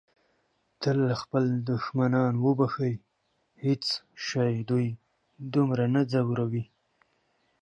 تل خپل دښمنان وبښئ. هیڅ شی دوی دومره نه ځوروي.